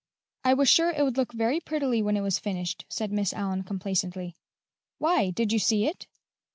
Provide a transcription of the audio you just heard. "I was sure it would look very prettily when it was finished," said Miss Allyn complacently. "Why, did you see it?"